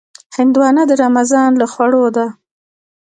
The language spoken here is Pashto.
هندوانه د رمضان له خوړو ده.